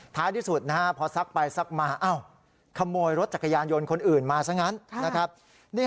ท้ายที่สุดนะฮะพอซักไปซักมาขโมยรถจักรยานยนต์คนอื่นมาซะงั้นนะครับ